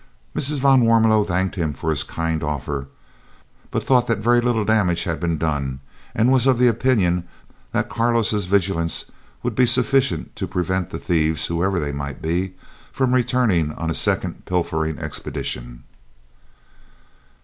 Mrs. van Warmelo thanked him for his kind offer, but thought that very little damage had been done, and was of opinion that Carlo's vigilance would be sufficient to prevent the thieves, whoever they might be, from returning on a second pilfering expedition.